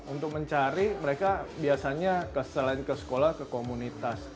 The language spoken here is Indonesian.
untuk mencari mereka biasanya selain ke sekolah ke komunitas